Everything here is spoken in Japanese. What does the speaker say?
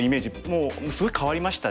もうすごい変わりましたし。